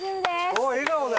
おお笑顔だ！